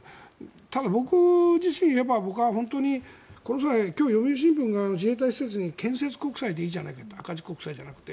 ただ僕自身でいえばこの際今日、読売新聞が自衛隊施設に建設国債でいいんじゃないか赤字国債じゃなくて。